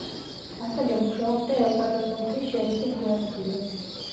ასევე მუშაობდა ელ-პასოს ოლქის შერიფის მოადგილედ.